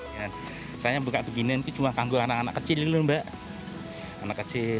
kecil lomba anak kecil anak kecil anak kecil anak kecil anak kecil anak kecil anak kecil anak kecil anak kecil